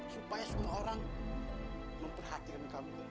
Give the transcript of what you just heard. supaya semua orang memperhatikan kami